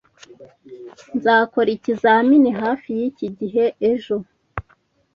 Nzakora ikizamini hafi yiki gihe ejo